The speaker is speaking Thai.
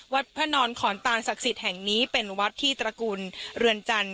วัดพระนอนขอนตานศักดิ์สิทธิ์แห่งนี้เป็นวัดที่ตระกูลเรือนจันทร์